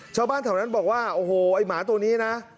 ชาวบ้านแถวนั้นบอกว่าโอ้โหไอ้หมาตัวนี้นะ